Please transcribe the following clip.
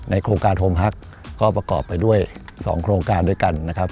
โครงการโฮมฮักก็ประกอบไปด้วย๒โครงการด้วยกันนะครับ